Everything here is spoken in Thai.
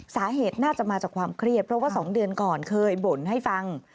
สาเหตุน่าจะมาจากความเครียดเพราะว่า๒เดือนก่อนเคยบ่นให้ฟัง